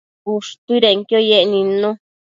ushtuidenquio yec nidnu